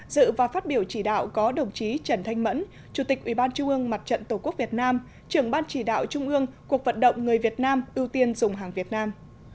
dự và phát biểu chỉ đạo có đồng chí trần thanh mẫn chủ tịch ubnd mặt trận tổ quốc việt nam trưởng ban chỉ đạo trung ương cuộc vận động người việt nam ưu tiên dùng hàng việt nam